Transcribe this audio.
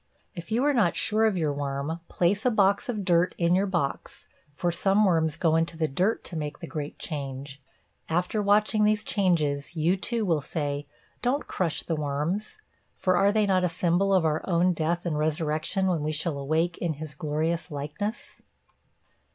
If you are not sure of your worm place a box of dirt in your box, for some worms go into the dirt to make the great change. After watching these changes you, too, will say: "Don't crush the worms! For are they not a symbol of our own death and resurrection when we shall awake in His glorious likeness?"